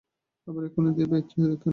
আবার এখুনি দেবে, খেয়ো এখন।